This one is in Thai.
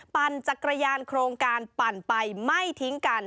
ปั่นจักรยานโครงการปั่นไปไม่ทิ้งกัน